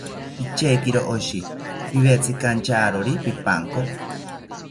Pichekiro oshi, piwetzikanchawori pipanko